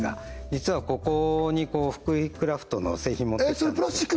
実はここに福井クラフトの製品持ってきたんですえっ